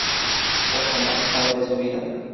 Poco más se sabe de su vida.